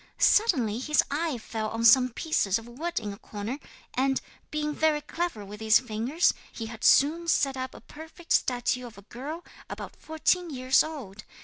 Suddenly his eye fell on some pieces of wood in a corner and, being very clever with his fingers, he had soon set up a perfect statue of a girl about fourteen years old.